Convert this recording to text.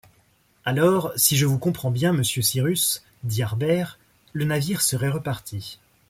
Alors, si je vous comprends bien, monsieur Cyrus, dit Harbert, le navire serait reparti…